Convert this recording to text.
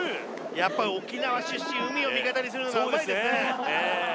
やっぱり沖縄出身海を味方にするのがうまいですね